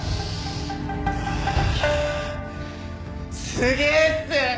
すげえっす！